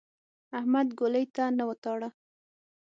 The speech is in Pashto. احمد ګولۍ ته نه وتاړه.